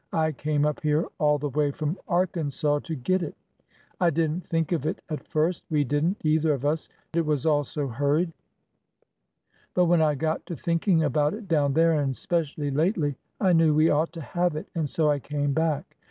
I came up here all the way from Arkansas to get it. I did n't think of it at first — we did n't, either of us — it was all so hurried ; but when I got to thinking about it down there— and specially lately— I knew we ought to have it, and so I came back.